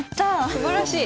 すばらしい！